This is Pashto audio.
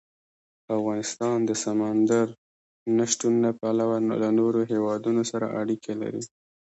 افغانستان د سمندر نه شتون له پلوه له نورو هېوادونو سره اړیکې لري.